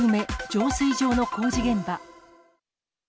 浄水場の工事現場。